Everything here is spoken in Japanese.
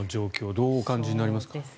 どうお感じになりますか？